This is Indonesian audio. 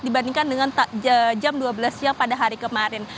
dibandingkan dengan jam dua belas siang pada hari kemarin